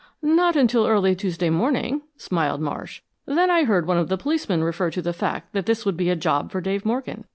"Not until early Tuesday morning," smiled Marsh. "Then I heard one of the policemen refer to the fact that this would be a job for Dave Morgan.